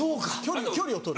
距離をとる。